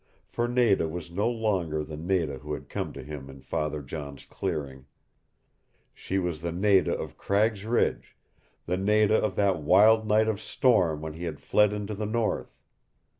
For Nada was no longer the Nada who had come to him in Father John's clearing. She was the Nada of Cragg's Ridge, the Nada of that wild night of storm when he had fled into the north.